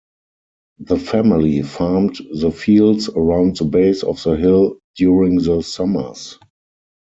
The family farmed the fields around the base of the hill during the summers.